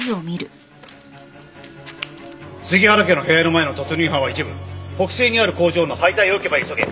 杉原家の部屋の前の突入班は一部北西にある工場の廃材置き場へ急げ。